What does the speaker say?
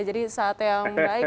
jadi saat yang baik